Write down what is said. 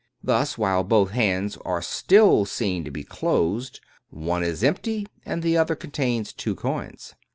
Thus, while both hands are still seen to be closed, one is empty, and the other contains two coins.